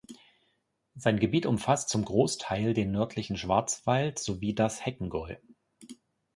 Sein Gebiet umfasst zum Großteil den nördlichen Schwarzwald sowie das Heckengäu.